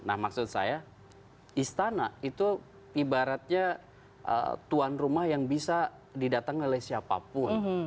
nah maksud saya istana itu ibaratnya tuan rumah yang bisa didatangi oleh siapapun